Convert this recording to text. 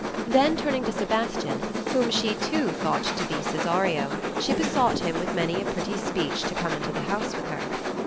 Then turning to Sebastian, whom she too thought to be Cesario, she besought him with many a pijetty speech to come into the house with her.